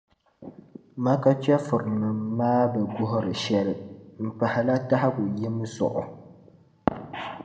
Makka chεfurinim’ maa bi guhiri shεli m-pahila tahigu yim zuɣu.